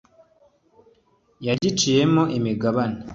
yagiciyemo imigabane